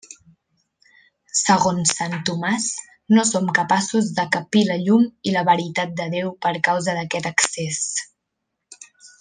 Segons sant Tomàs, no som capaços de capir la llum i la veritat de Déu per causa d'aquest excés.